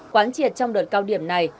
quán triệt trong đợt cao điểm này